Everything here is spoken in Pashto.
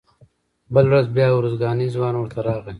بله ورځ بیا ارزګانی ځوان ورته راغی.